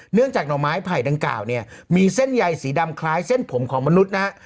จากหน่อไม้ไผ่ดังกล่าวเนี่ยมีเส้นใยสีดำคล้ายเส้นผมของมนุษย์นะฮะ